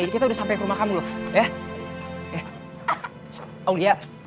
kita udah sampai ke rumah kamu loh ya